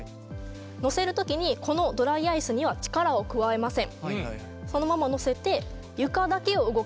乗せる時にこのドライアイスには力を加えません。